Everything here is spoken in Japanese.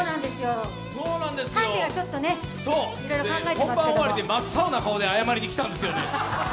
本番終わりで真っ青な顔で謝りに来たんですよね。